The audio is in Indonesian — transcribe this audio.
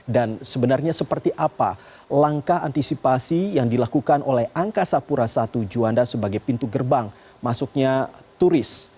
dan sebenarnya seperti apa langkah antisipasi yang dilakukan oleh angkasa pura i juanda sebagai pintu gerbang masuknya turis